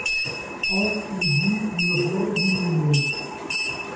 On eût dit une plaie lumineuse.